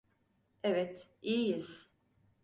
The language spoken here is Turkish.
Evet, iyiyiz.